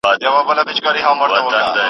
پرته له پيسو کار نشي کيدای.